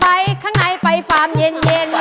ข้างในไปฟาร์มเย็น